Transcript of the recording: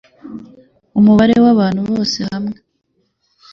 Umubare w'abantu bose hamwe